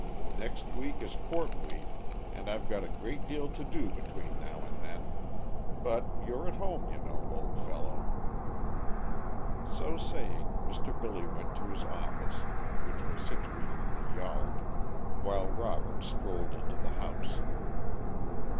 Next week is court week, and I've got a great deal to do between now and then. But you're at home you know, old fellow." So saying Mr. Billy went to his office, which was situated in the yard, while Robert strolled into the house.